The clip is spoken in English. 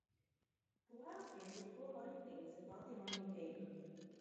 The wild twin did foolhardy things and brought the army in danger.